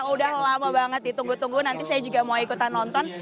udah lama banget ditunggu tunggu nanti saya juga mau ikutan nonton